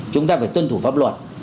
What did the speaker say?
chúng ta phải tuân thủ pháp luật